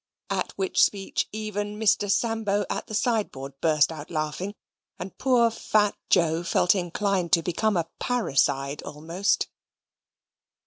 At which speech even Mr. Sambo at the sideboard burst out laughing, and poor fat Joe felt inclined to become a parricide almost.